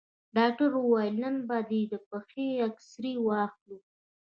ډاکتر وويل نن به دې د پښې اكسرې واخلو.